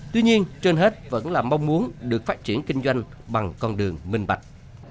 tuy nhiên trên hết vẫn là mong muốn được phát triển kinh doanh bằng con đường minh bạch